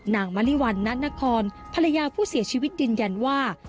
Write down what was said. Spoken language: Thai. มริวัณนครภรรยาผู้เสียชีวิตยืนยันว่า